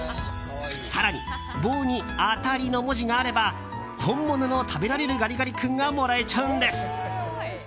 更に、棒に「あたり」の文字があれば本物の食べられるガリガリ君がもらえちゃうんです。